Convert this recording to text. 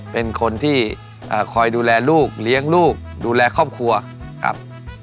เป็นคนที่คอยดูแลลูกเลี้ยงลูกดูแลครอบครัวครับ